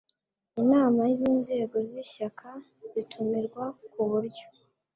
inama z inzego z ishyaka zitumirwa ku buryo